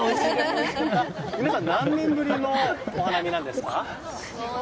皆さん何年ぶりのお花見なんですか？